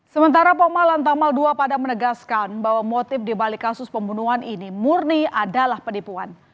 sementara poma lantamal ii pada menegaskan bahwa motif dibalik kasus pembunuhan ini murni adalah penipuan